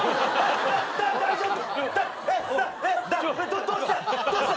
どっどうした！？